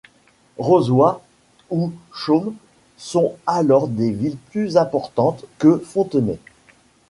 Rozoy ou Chaumes sont alors des villes plus importantes que Fontenay.